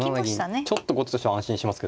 ７七銀ちょっと後手としては安心しますけどね。